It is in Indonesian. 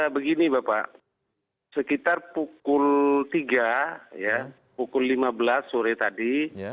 begini bapak sekitar pukul tiga pukul lima belas sore tadi